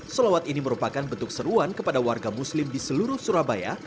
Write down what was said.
sholawat ini merupakan bentuk seruan kepada warga muslim di seluruh surabaya